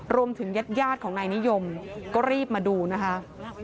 ญาติของนายนิยมก็รีบมาดูนะคะ